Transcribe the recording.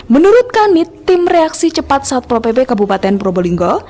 menurut kanit tim reaksi cepat satpol pp kabupaten probolinggo